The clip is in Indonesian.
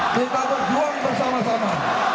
kita berjuang bersama sama